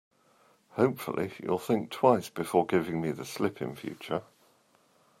Hopefully, you'll think twice before giving me the slip in future.